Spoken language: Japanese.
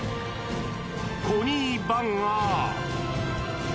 コニーバンが。